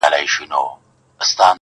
• نور به نه کرئ غنم په کروندو کي -